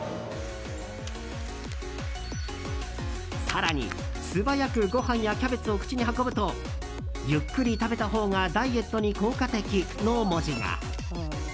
更に、素早くご飯やキャベツを口に運ぶと「ゆっくり食べたほうがダイエットに効果的」の文字が。